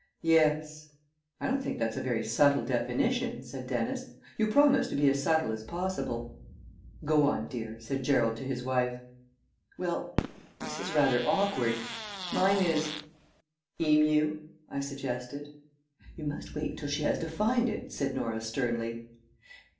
"Yes." "I don't think that's a very subtle definition," said Dennis. "You promised to be as subtle as possible." "Go on, dear," said Gerald to his wife. "Well, this is rather awkward. Mine is " "Emu," I suggested. "You must wait till she has defined it," said Norah sternly.